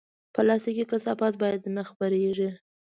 پلاستيکي کثافات باید نه خپرېږي.